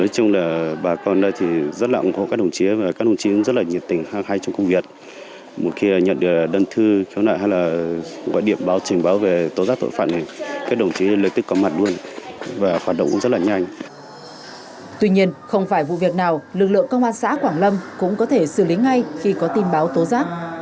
tuy nhiên không phải vụ việc nào lực lượng công an xã quảng lâm cũng có thể xử lý ngay khi có tin báo tố giác